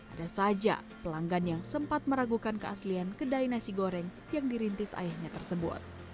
ada saja pelanggan yang sempat meragukan keaslian kedai nasi goreng yang dirintis ayahnya tersebut